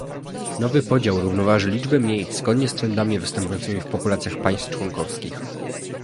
Nowy podział równoważy liczbę miejsc zgodnie z trendami występującymi w populacjach państw członkowskich